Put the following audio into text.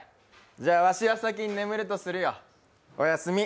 じゃわしは先に寝るとするよ、おやすみ。